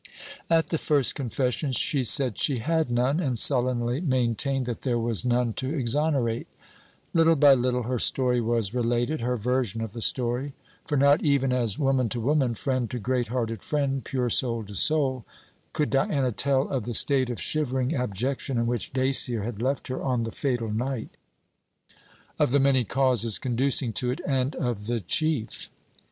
At the first confession, she said she had none, and sullenly maintained that there was none to exonerate. Little by little her story was related her version of the story: for not even as woman to woman, friend to great hearted friend, pure soul to soul, could Diana tell of the state of shivering abjection in which Dacier had left her on the fatal night; of the many causes conducing to it, and of the chief.